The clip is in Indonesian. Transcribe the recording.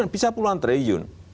bisa puluhan triliun